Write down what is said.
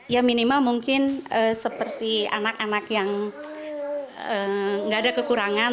ya minimal mungkin seperti anak anak yang nggak ada kekurangan